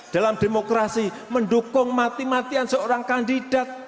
dalam demokrasi mendukung mati matian seorang kandidat